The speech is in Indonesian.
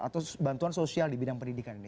atau bantuan sosial di bidang pendidikan ini